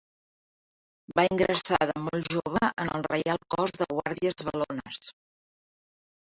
Va ingressar de molt jove en el Reial Cos de Guàrdies Valones.